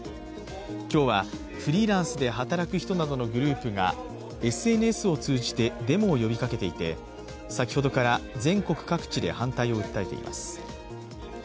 今日はフリーランスで働く人などのグループがＳＮＳを通じてデモを呼びかけていて先ほどから全国各地で反対を訴えています。